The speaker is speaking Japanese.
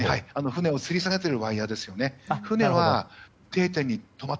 船をつり上げているワイヤです。